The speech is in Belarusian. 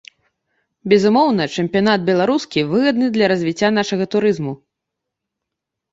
Безумоўна, чэмпіянат беларускі выгадны для развіцця нашага турызму.